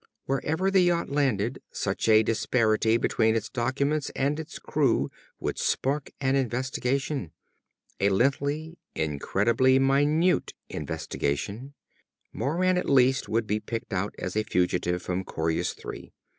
Wherever the yacht landed, such a disparity between its documents and its crew would spark an investigation. A lengthy, incredibly minute investigation. Moran, at least, would be picked out as a fugitive from Coryus Three.